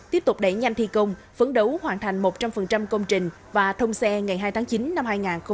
tiếp tục đẩy nhanh thi công phấn đấu hoàn thành một trăm linh công trình và thông xe ngày hai tháng chín năm hai nghìn hai mươi